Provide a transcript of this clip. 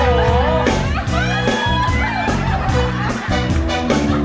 ฉาดำ